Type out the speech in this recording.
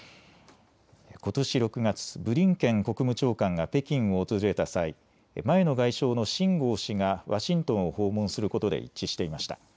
ことし６月、ブリンケン国務長官が北京を訪れた際、前の外相の秦剛氏がワシントンを訪問することで一致していました。